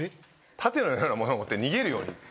盾のようなものを持って逃げるように。